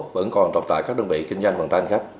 vẫn còn tồn tại các đơn vị kinh doanh vận tải hành khách